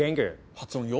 発音よ。